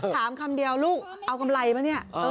ถามคำเดียวลูกเอาคำไรมานี่